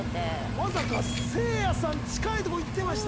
まさかせいやさん近いとこいってました。